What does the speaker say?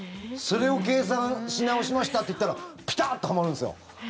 それを計算し直しましたっていったらピタッとはまるんですよ。